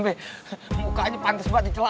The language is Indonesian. mukanya pantas buat dicela